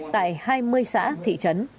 tại hai mươi xã thị trấn